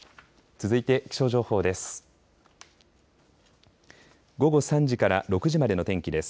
続いて気象情報です。